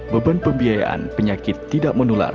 beban pembiayaan penyakit tidak menular